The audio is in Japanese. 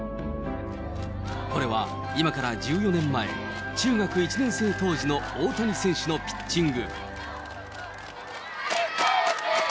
これは今から１４年前、中学１年生当時の大谷選手のピッチング。